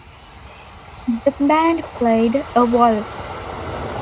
The band played a waltz.